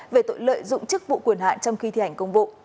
về tội lợi dụng chức vụ quyền hạn trong khi thi hành công vụ